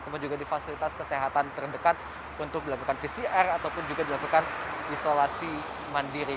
tempat juga di fasilitas kesehatan terdekat untuk dilakukan pcr ataupun juga dilakukan isolasi mandiri